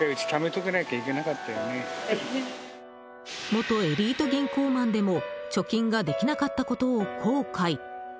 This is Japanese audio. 元エリート銀行マンでも貯金ができなかったことを後悔。